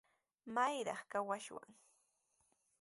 ¿Maytrawraq kawashwan?